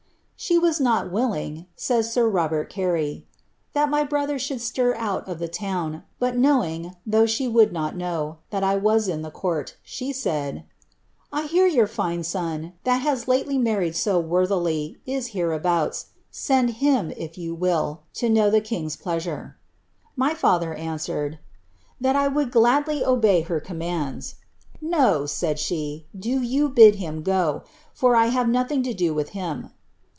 She was not willing," says sir Robert Carey, "that my brother should itir out of the town, but knowing, though she would not know, that I ras in the court, she said, ^ I hear your Sue son, that has lately married o worthily, is hereabouts ; send Aim, if you will, to know the king's plea nre.' My father answered, ^ that 1 would gladly obey her commands.' No,' said she, ^ do you bid him go, for I have nothing to do with him.'